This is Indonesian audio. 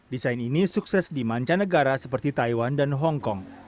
desain ini sukses di mancanegara seperti taiwan dan hongkong